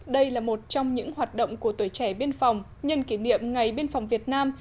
đây là một trong những hoạt động của tuổi trẻ biên phòng nhân kỷ niệm ngày biên phòng việt nam